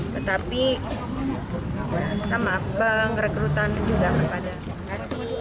tetapi sama bank rekrutan juga kepada